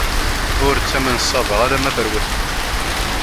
Ur ttamen ṣṣaba alamma terwet.